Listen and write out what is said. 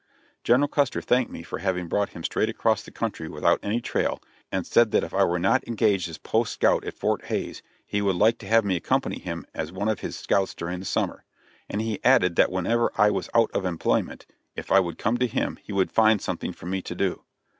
General Custer thanked me for having brought him straight across the country without any trail, and said that if I were not engaged as post scout at Fort Hays he would like to have me accompany him as one of his scouts during the summer; and he added that whenever I was out of employment, if I would come to him he would find something for me to do.